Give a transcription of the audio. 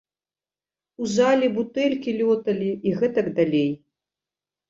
У залі бутэлькі лёталі і гэтак далей.